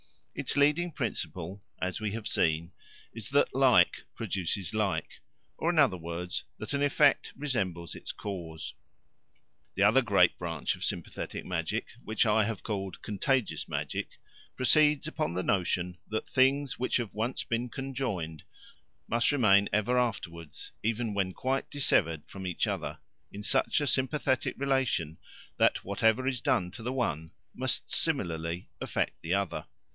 Its leading principle, as we have seen, is that like produces like, or, in other words, that an effect resembles its cause. The other great branch of sympathetic magic, which I have called Contagious Magic, proceeds upon the notion that things which have once been conjoined must remain ever afterwards, even when quite dissevered from each other, in such a sympathetic relation that whatever is done to the one must similarly affect the other.